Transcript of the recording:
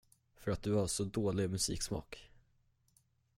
För att du har så dålig musiksmak.